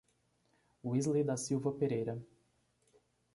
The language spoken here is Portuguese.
Wisley da Silva Pereira